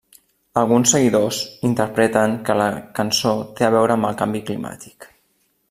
Alguns seguidors interpreten que la cançó té a veure amb el canvi climàtic.